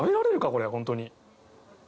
これホントに。